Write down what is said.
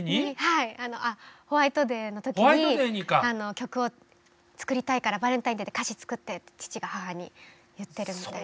ホワイトデーの時に曲を作りたいからバレンタインで歌詞作ってって父が母に言ってるみたいな。